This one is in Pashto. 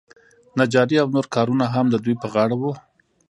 نجاري او نور کارونه هم د دوی په غاړه وو.